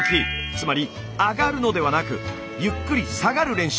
つまり「上がる」のではなくゆっくり「下がる」練習。